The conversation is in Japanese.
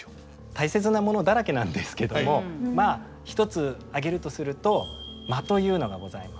大切なものだらけなんですけれどもまあ一つ挙げるとすると間というのがございます。